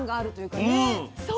そう。